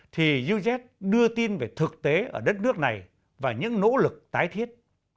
thì uz đưa tin về thực tế ở đất nước này và những nỗ lực tái thiết